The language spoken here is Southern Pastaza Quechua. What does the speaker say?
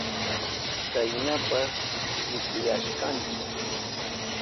Kaynapas chishiyashkanchi.